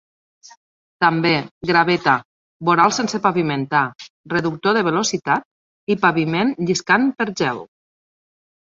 També, "Graveta", "Voral sense pavimentar", "Reductor de velocitat" i "Paviment lliscant per gel".